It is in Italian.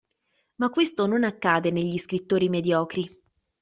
Ma questo non accade negli scrittori mediocri.